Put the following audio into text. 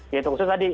ya itu khusus tadi